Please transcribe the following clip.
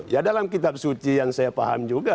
ya dalam kitab suci yang saya paham juga